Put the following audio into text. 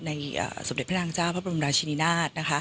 สมเด็จพระนางเจ้าพระบรมราชินินาศ